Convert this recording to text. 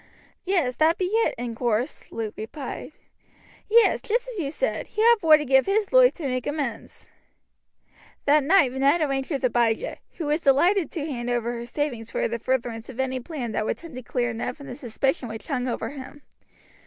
"Yes, that be it, in course," Luke replied. "Yes; just as you says, he ought vor to give his loife to make amends." That night Ned arranged with Abijah, who was delighted to hand over her savings for the furtherance of any plan that would tend to clear Ned from the suspicion which hung over him.